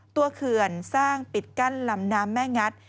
เขื่อนสร้างปิดกั้นลำน้ำแม่งัด